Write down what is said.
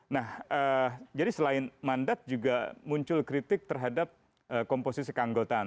nah jadi selain mandat juga muncul kritik terhadap komposisi keanggotaan